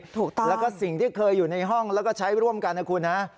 ถูกต้องแล้วก็สิ่งที่เคยอยู่ในห้องแล้วก็ใช้ร่วมกันนะคุณนะ